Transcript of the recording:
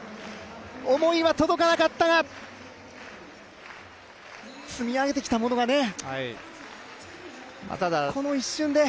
思いは届かなかったが、積み上げてきたものがこの一瞬で。